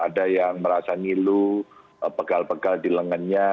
ada yang merasa nilu pegal pegal di lengannya